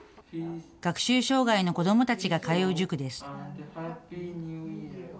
学習障害の子どもたちが通う塾です。